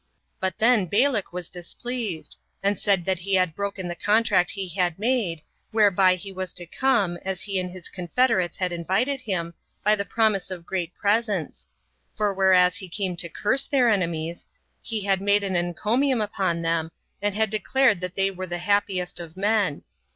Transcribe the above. But then Balak was displeased, and said he had broken the contract he had made, whereby he was to come, as he and his confederates had invited him, by the promise of great presents: for whereas he came to curse their enemies, he had made an encomium upon them, and had declared that they were the happiest of men.